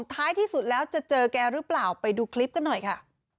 ท้ายที่สุดแล้วจะเจอแกหรือเปล่าไปดูคลิปกันหน่อยค่ะ